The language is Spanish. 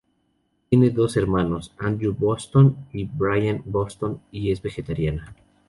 Tiene dos hermanos, Andrew Boston y Brian Boston, y es vegetariana.